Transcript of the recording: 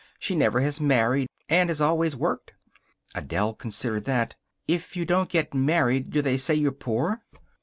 She never has married, and has always worked." Adele considered that. "If you don't get married do they say you're poor?"